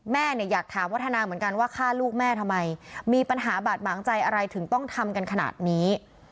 แม่เนี่ยอยากถามวัฒนาเหมือนกันว่าฆ่าลูกแม่ทำไมมีปัญหาบาดหมางใจอะไรถึงต้องทำกันขนาดนี้